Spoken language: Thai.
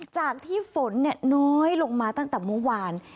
จากที่ฝนน้อยลงมาตั้งแต่เมื่อวาน